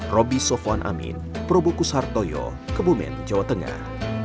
robby sofwan amin prabu kusartoyo kebumen jawa tengah